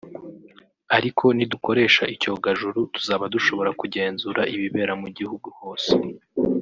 ariko nidukoresha icyogajuru tuzaba dushobora kugenzura ibibera mu gihugu hose”